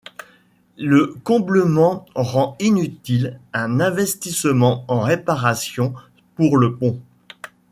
Le comblement rend inutile un investissement en réparations pour le pont.